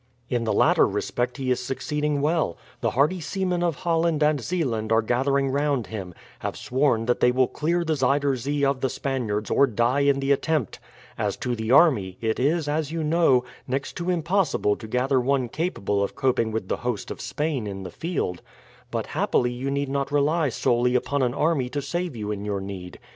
"In the latter respect he is succeeding well. The hardy seamen of Holland and Zeeland are gathering round him, have sworn that they will clear the Zuider Zee of the Spaniards or die in the attempt. As to the army, it is, as you know, next to impossible to gather one capable of coping with the host of Spain in the field; but happily you need not rely solely upon an army to save you in your need.